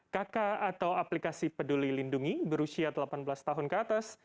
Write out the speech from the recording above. kk atau aplikasi peduli lindungi berusia delapan belas tahun ke atas